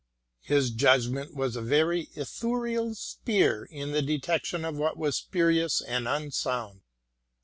His judgment was a very Ithuriel's spear in the detection of what was spurious and unsound.